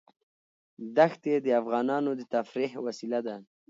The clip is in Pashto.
دښتې د افغانانو د تفریح وسیله ده.